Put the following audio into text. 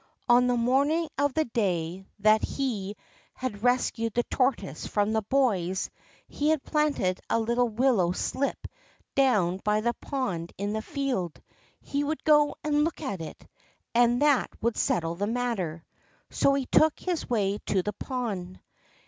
On the morning of the day that he URASHIMA TARO had rescued the tortoise from the boys, he had planted a little willow slip down by the pond in the field. He would go and look at it, and that would settle the matter. So he took his way to the pond.